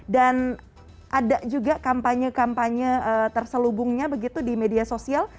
dan ada juga kampanye kampanye terselubungnya begitu di media sosial